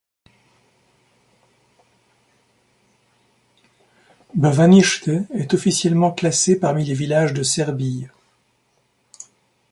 Bavanište est officiellement classé parmi les villages de Serbie.